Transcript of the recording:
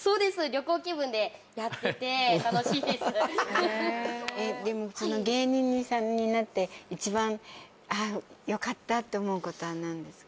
旅行気分でやってて芸人さんになって一番ああよかったって思うことは何ですか？